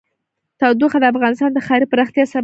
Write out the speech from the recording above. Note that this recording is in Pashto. تودوخه د افغانستان د ښاري پراختیا سبب کېږي.